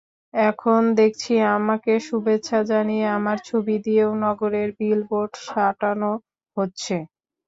এখন দেখছি আমাকে শুভেচ্ছা জানিয়ে আমার ছবি দিয়েও নগরে বিলবোর্ড সাঁটানো হচ্ছে।